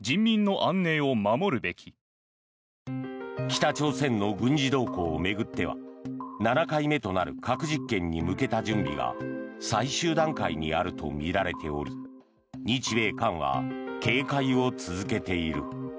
北朝鮮の軍事動向を巡っては７回目となる核実験に向けた準備が最終段階にあるとみられており日米韓は警戒を続けている。